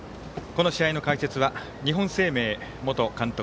この試合の解説は日本生命元監督